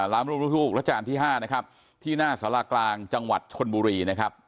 ลามรูปลูกรัชกาลที่๕นะครับที่หน้าสารากลางจังหวัดชนบุรีนะครับ